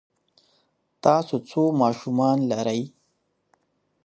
تاسو څو ماشومان لرئ؟